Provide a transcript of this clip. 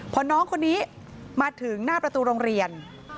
พอน้องคนนี้มาถึงหน้าประตูโรงเรียน